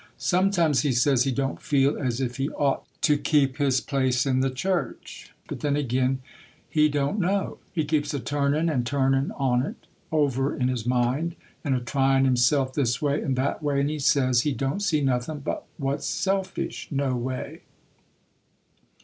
Sometimes he says he don't feel as if he ought to keep his place in the church,—but then ag'in he don't know. He keeps a turnin' and turnin' on't over in his mind, and a tryin' himself this way and that way; and he says he don't see nothin' but what's selfish, no way.